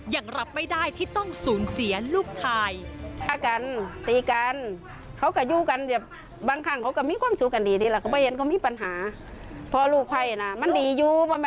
ยังรับไม่ได้ที่ต้องสูญเสียลูกชาย